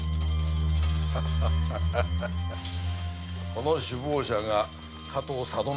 この首謀者が加藤佐渡守明忠。